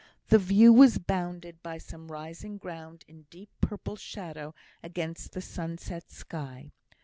The view was bounded by some rising ground in deep purple shadow against the sunset sky.